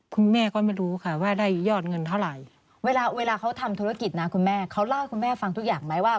คุณแม่ก็ไม่รู้ค่ะว่าได้ยอดเงินเท่าไหร่เวลาเวลาเขาทำธุรกิจนะคุณแม่เขาเล่าให้คุณแม่ฟังทุกอย่างไหมว่า